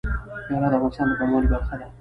هرات د افغانستان د بڼوالۍ برخه ده.